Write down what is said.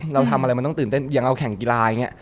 เราทำอะไรมันต้องตื่นเต้นอย่างเราแข่งกีฬาอย่างนี้